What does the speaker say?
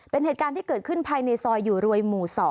เป็นเหตุการณ์ที่เกิดขึ้นภายในซอยอยู่รวยหมู่๒